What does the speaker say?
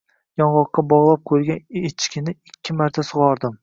Yong‘oqqa bog‘lab qo‘yilgan echkini ikki marta sug‘ordim.